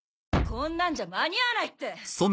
こんなんじゃ間に合わないって！